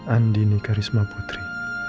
andi ini karisma putri